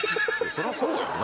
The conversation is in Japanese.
そりゃそうやんな。